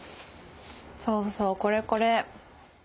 そうそうこれこれ！